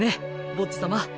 ボッジ様。